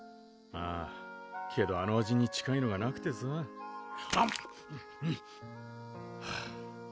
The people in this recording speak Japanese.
ああけどあの味に近いのがなくてさぁはぁ